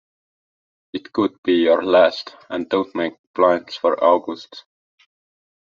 It could be your last", and "Don't make plans for August".